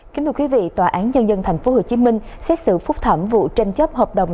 kính thưa quý vị tòa án nhân dân tp hcm xét xử phúc thẩm vụ tranh chấp hợp đồng